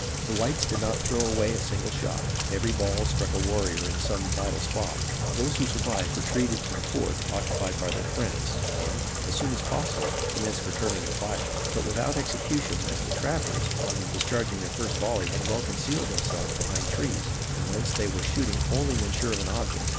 The whites did not throw away a single shot; every ball struck a warrior in some vital spot. Those who survived retreated to the fort occupied by their friends, and, as soon as possible, commenced returning the fire; but without execution, as the trappers, on discharging their first volley, had well concealed themselves behind trees, from whence they were shooting only when sure of an object.